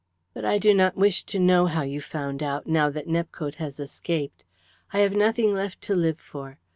"But I do not wish to know how you found out, now that Nepcote has escaped. I have nothing left to live for.